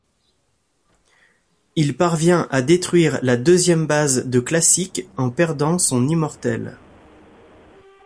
Il parvient à détruire la deuxième base de Classic en perdant son immortel.